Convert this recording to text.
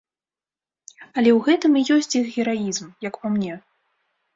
Але ў гэтым і ёсць іх гераізм, як па мне.